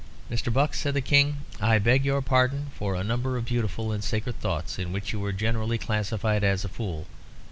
"Mr. Buck," said the King, "I beg your pardon, for a number of beautiful and sacred thoughts, in which you were generally classified as a fool.